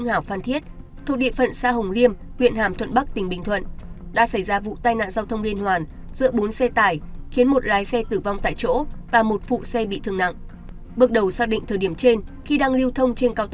hãy đăng ký kênh để ủng hộ kênh của chúng mình nhé